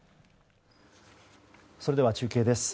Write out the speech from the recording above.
それでは、中継です。